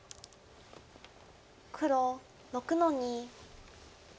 黒６の二。